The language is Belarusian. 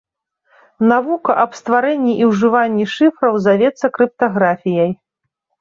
Навука аб стварэнні і ўжыванні шыфраў завецца крыптаграфіяй.